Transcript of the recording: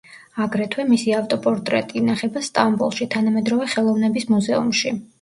აგრეთვე, მისი ავტოპორტრეტი ინახება სტამბოლში, თანამედროვე ხელოვნების მუზეუმში.